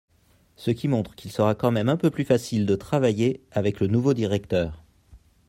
ce qui montre qu'il sera quand même un peu plus facile de travailler avec le nouveau directeur.